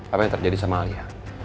apa yang terjadi sama alia